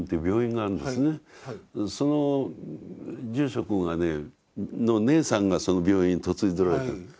その住職の姉さんがその病院に嫁いでおられたんです。